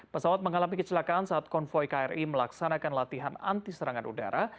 pesawat mengalami kecelakaan saat konvoy kri melaksanakan latihan anti serangan udara